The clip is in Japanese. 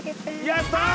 やったー！